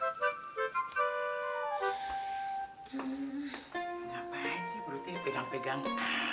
ngapain sih perutnya pegang pegang